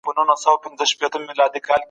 نړیوال عدالت د قانون د پلې کولو لپاره دی.